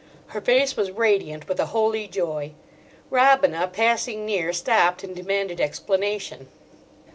Her face was radiant with a holy joy. Robina, passing near, stopped and demanded explanation.